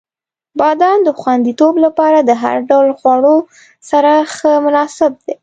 • بادام د خوندیتوب لپاره د هر ډول خواړو سره ښه مناسب دی.